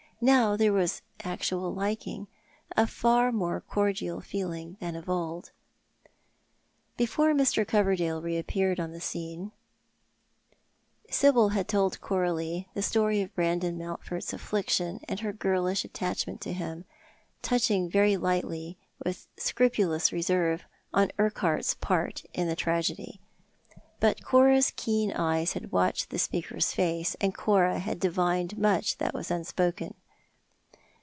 Now there was actual liking — a far more cordial feeling than of old. Before Mr. Coverdale reappeared upon the scene, Sibyl had 322 Thou a7' t the Man. told Coralie the story of Brandon Mountford's affliction and her girlish attachment to him, touching very lightly, with a scrupulous reserve, upon Urquhart's part in the tragedy. But Cora's keen eyes had watched the speaker's face, and Cora had divined much that was unspoken.